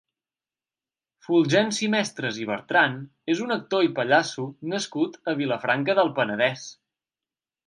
Fulgenci Mestres i Bertran és un actor i pallasso nascut a Vilafranca del Penedès.